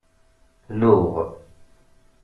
Luɣ.